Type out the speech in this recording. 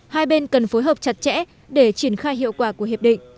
hai bên cần phối hợp chặt chẽ để triển khai hiệu quả của hiệp định